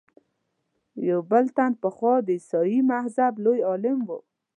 یو بل تن پخوا د عیسایي مذهب لوی عالم و.